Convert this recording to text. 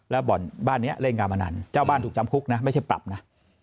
แล้วบ่อนบ้านนี้เล่นการพนันเจ้าบ้านถูกจำคุกนะไม่ใช่ปรับนะ